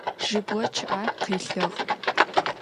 Jıbğe ççı'er khilhığ.